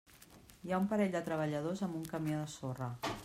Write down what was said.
Hi ha un parell de treballadors amb un camió de sorra.